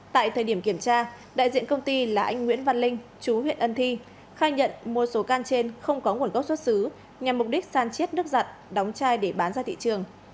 tại thời điểm kiểm tra đại diện công ty là anh nguyễn văn linh chú huyện ân thi khai nhận một số can trên không có nguồn gốc xuất xứ nhằm mục đích san chiết nước giặt đóng chai để bán ra thị trường